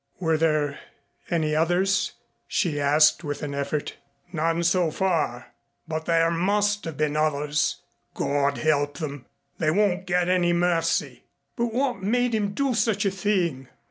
"Were there any others?" she asked, with an effort. "None so far. But there must have been others. God help them! They won't get any mercy." "But what made him do such a thing?"